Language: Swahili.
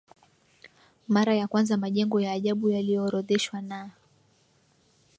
Mara ya kwanza majengo ya ajabu yaliorodheshwa na